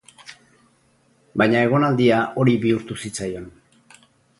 Baina egonaldia hori bihurtu zitzaion.